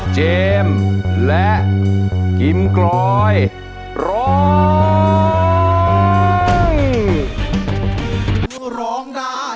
เจมซ์และกิมกรอยร้อง